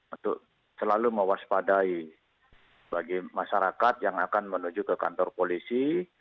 untuk selalu mewaspadai bagi masyarakat yang akan menuju ke kantor polisi